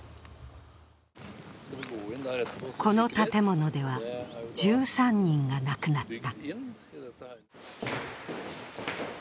この建物では、１３人が亡くなった。